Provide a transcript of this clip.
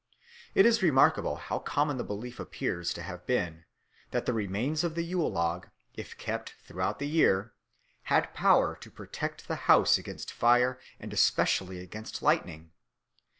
It is remarkable how common the belief appears to have been that the remains of the Yule log, if kept throughout the year, had power to protect the house against fire and especially against lightning.